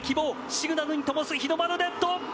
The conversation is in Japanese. シグナルにともす日の丸レッド。